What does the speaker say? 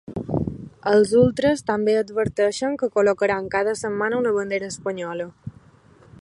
Els ultres també adverteixen que col·locaran cada setmana una bandera espanyola.